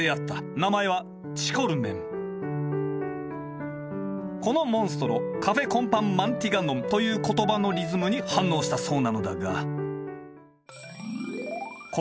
名前はこのモンストロ「カフェコンパンマンティガノン」という言葉のリズムに反応したそうなのだがここで問題